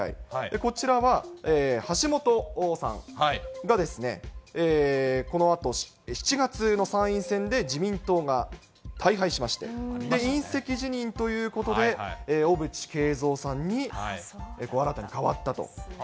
こちらは橋本さんがですね、このあと７月の参院選で自民党が大敗しまして、引責辞任ということで、小渕恵三さんに新たにかわったと。